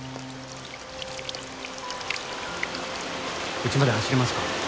うちまで走れますか？